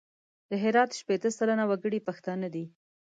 د هرات شپېته سلنه وګړي پښتانه دي.